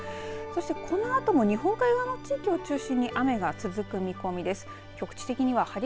そして、このあとも日本海側の地域を中心に雨が続く見込みです。